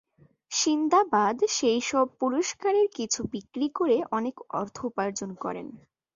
সিন্দাবাদ সেসব পুরস্কারের কিছু বিক্রি করে অনেক অর্থ উপার্জন করে।